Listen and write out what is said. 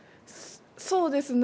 そうですね。